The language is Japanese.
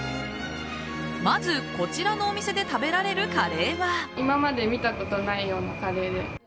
まず、こちらのお店で食べられるカレーは。